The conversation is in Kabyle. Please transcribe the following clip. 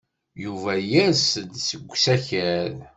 Yuba yers-d seg usakal.